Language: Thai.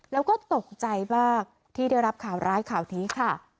แล้วก็ตกใจมากที่ได้รับข่าวร้ายข่าวนี้ค่ะ